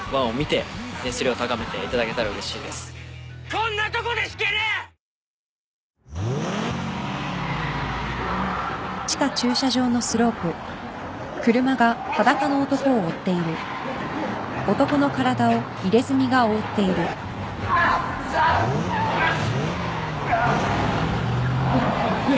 「こんなとこで引けねえ！」あっうっ！